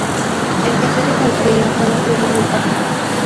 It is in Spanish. El proceso concluía con la firma del papa.